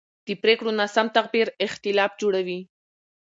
د پرېکړو ناسم تعبیر اختلاف جوړوي